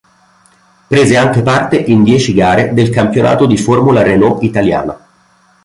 Prese anche parte in dieci gare del campionato di Formula Renault italiana.